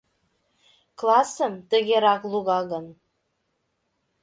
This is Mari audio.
— Классым тыгерак луга гын